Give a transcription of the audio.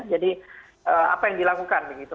jadi apa yang dilakukan begitu